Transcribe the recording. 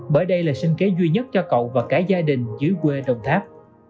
bởi đây là sinh kế duy nhất cho cậu và cả gia đình dưới quê đồng tháp